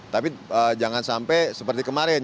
tapi jangan sampai seperti kemarin